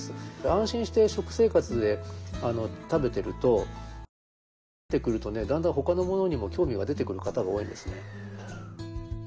安心して食生活で食べてると慣れてくるとだんだんほかのものにも興味が出てくる方が多いんですね。